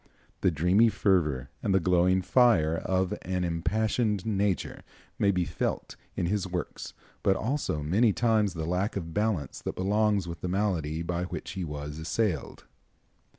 The dreamy fervor and the glowing fire of an impassioned nature may be felt in his works, but also many times the lack of balance that belongs with the malady by which he was assailed.